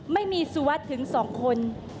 ไม่มีสุวรรค์ถึง๒คน